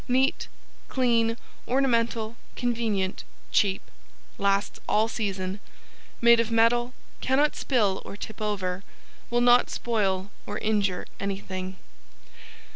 Neat, clean, ornamental, convenient, cheap. Lasts all season. Made of metal, cannot spill or tip over, will not spoil or injure anything.